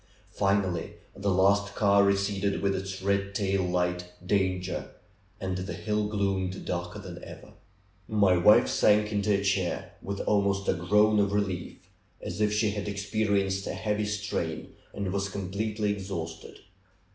Finally the last car receded with its red tail light Danger and the hill gloomed darker than ever. My wife sank into a chair, with almost a groan of relief, as if she had experienced a heavy strain, and was completely exhausted.